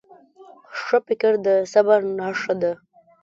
ښه فکر د صبر نښه ده.